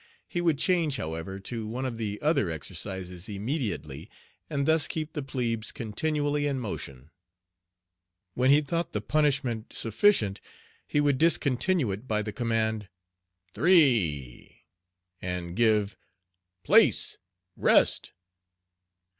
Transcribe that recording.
He would change, however, to one of the other exercises immediately, and thus keep the plebes continually in motion. When he thought the punishment sufficient he would discontinue it by the command, "three," and give "place, rest."